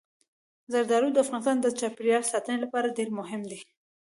زردالو د افغانستان د چاپیریال ساتنې لپاره ډېر مهم دي.